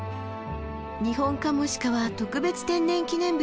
ニホンカモシカは特別天然記念物。